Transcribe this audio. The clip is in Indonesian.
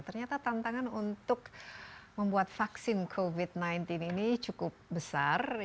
ternyata tantangan untuk membuat vaksin covid sembilan belas ini cukup besar